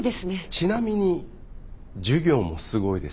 ちなみに授業もすごいですよ。